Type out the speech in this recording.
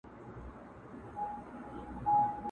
يو لوى باز يې خوشي كړى وو هوا كي،